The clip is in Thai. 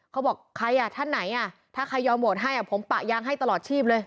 เขาบอกใครอ่ะท่านไหนอ่ะถ้าใครยอมโหวตให้ผมปะยางให้ตลอดชีพเลย